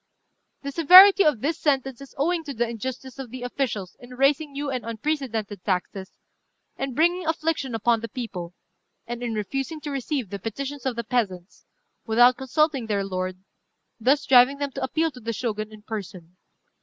"The severity of this sentence is owing to the injustice of the officials in raising new and unprecedented taxes, and bringing affliction upon the people, and in refusing to receive the petitions of the peasants, without consulting their lord, thus driving them to appeal to the Shogun in person.